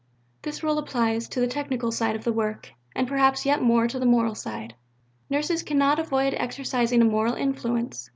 This rule applies to the technical side of the work, and perhaps yet more to the moral side. Nurses cannot avoid exercising a moral influence.